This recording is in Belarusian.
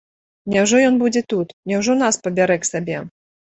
Няўжо ён будзе тут, няўжо нас пабярэ к сабе?